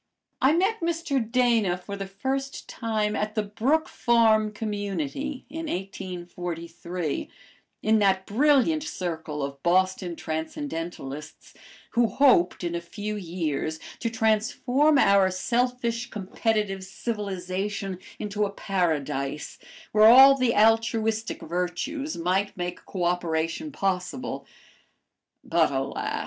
I met Mr. Dana for the first time at the Brook Farm Community in 1843, in that brilliant circle of Boston transcendentalists, who hoped in a few years to transform our selfish, competitive civilization into a Paradise where all the altruistic virtues might make co operation possible. But alas!